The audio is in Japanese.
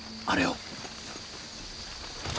あれを！